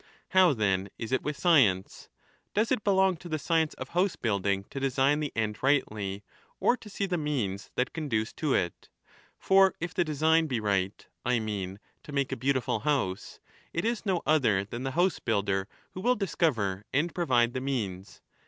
How, then, is it with science ? Does it belong to the science of housebuilding to design the end rightly, or to see the means that conduce to it ? For if the design be right— I mean, to make a beautiful house — it is no other than the housebuilder who will discover and provide the 15 means.